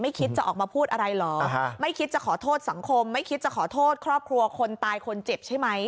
คิดจะออกมาพูดอะไรเหรอไม่คิดจะขอโทษสังคมไม่คิดจะขอโทษครอบครัวคนตายคนเจ็บใช่ไหม